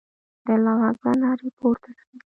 د الله اکبر نارې پورته سوې.